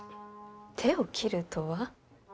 手を切るとは？